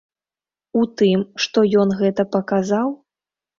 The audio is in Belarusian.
У тым, што ён гэта паказаў?